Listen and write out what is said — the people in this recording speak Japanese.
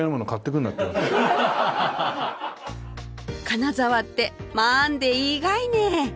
金沢ってまんでいいがいね